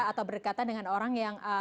atau berdekatan dengan orang yang